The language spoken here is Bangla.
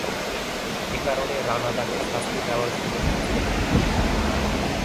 একারণে রানা তাকে শাস্তি দেওয়ার সুযোগ খুঁজতে থাকেন।